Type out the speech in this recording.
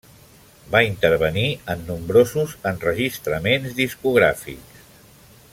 Va intervenir en nombrosos enregistraments discogràfics.